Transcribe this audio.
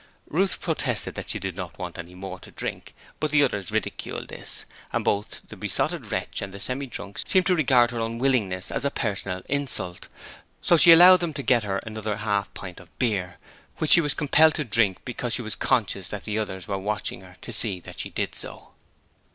Ruth protested that she did not want any more to drink, but the others ridiculed this, and both the Besotted Wretch and the Semi drunk seemed to regard her unwillingness as a personal insult, so she allowed them to get her another half pint of beer, which she was compelled to drink, because she was conscious that the others were watching her to see that she did so.